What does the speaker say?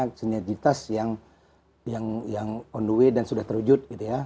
ada sinergitas yang on the way dan sudah terwujud gitu ya